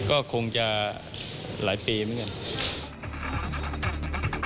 ก็คงจะหลายปีเหมือนกัน